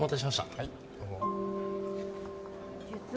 はいどうも。